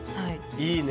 いいね。